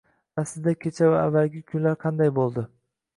Aslida kecha va avvalgi kunlar qanday bo’ldi.